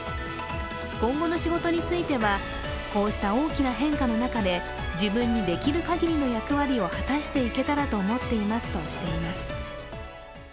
今後の仕事については、こうした大きな変化の中で自分にできる限りの役割を果たしていけたらと思っていますと話しています。